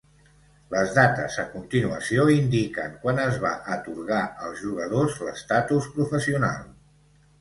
Les dates a continuació indiquen quan es va atorgar als jugadors l'estatus professional.